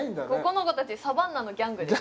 このコたちサバンナのギャングです